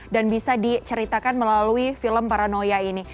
dan bisa diceritakan melalui film paranoia ini